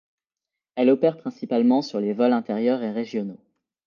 Elle opère principalement sur les vols intérieurs et régionaux.